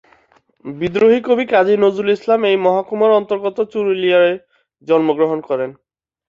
বিদ্রোহী কবি কাজী নজরুল ইসলাম এই মহকুমার অন্তর্গত চুরুলিয়ায় জন্মগ্রহণ করেন।